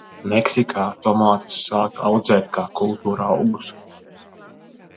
Meksikā tomātus sāka audzēt kā kultūraugus.